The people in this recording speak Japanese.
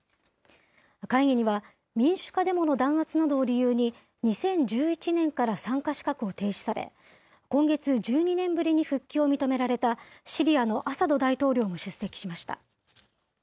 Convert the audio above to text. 会議には、民主化デモの弾圧などを理由に、２０１１年から参加資格を停止され、今月１２年ぶりに復帰を認められた、シリアのアサド大統領も出席しました。